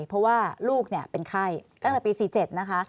เพราะว่าลูกเป็นไข้ตั้งแต่ปี๔๗นะคะ